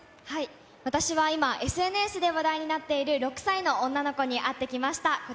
私は今、ＳＮＳで話題になっている６歳の女の子に会ってきました。